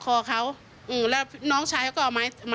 โยต้องกล้าภาษณ์อยากให้คุณผู้ชมได้ฟัง